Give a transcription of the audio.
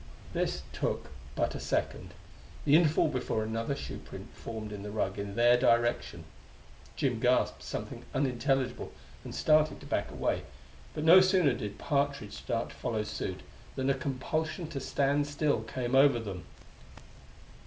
This took but a second the interval before another shoe print formed in the rug in their direction. Jim gasped something unintelligible and started to back away; but no sooner did Partridge start to follow suit, than a compulsion to stand still came over them.